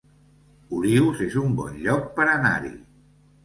Olius es un bon lloc per anar-hi